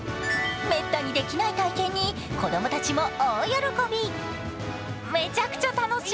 めったにできない体験に子供たちも大喜び。